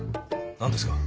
何ですか？